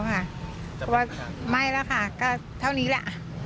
เพราะว่าไม่แล้วค่ะก็เท่านี้แหละ